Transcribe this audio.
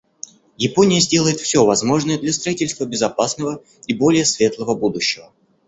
Япония сделает все возможное для строительства безопасного и более светлого будущего.